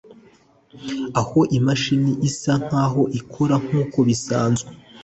aho imashini isa nkaho ikora nkuko bisanzwe